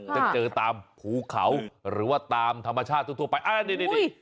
จะเจอตามภูเขาหรือว่าตามธรรมชาติทั่วไปนี่